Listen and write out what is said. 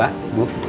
baik pak bu